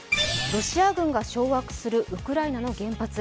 ロシア軍が掌握するウクライナの原発。